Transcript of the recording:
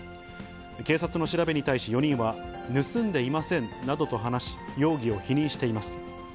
警察の調べに対し、４人は盗んでいませんなどと話し、容疑を否認しています。